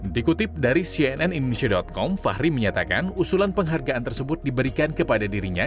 dikutip dari cnn indonesia com fahri menyatakan usulan penghargaan tersebut diberikan kepada dirinya